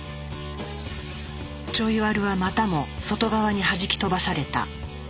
ちょいワルはまたも外側にはじき飛ばされた。